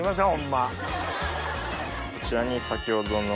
こちらに先ほどの。